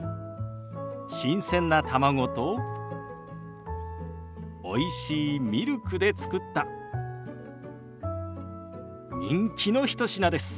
新鮮な卵とおいしいミルクで作った人気の一品です。